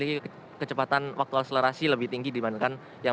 sehingga mobil ini mampu memiliki kecepatan waktu attached lebih tinggi dibandingkan yang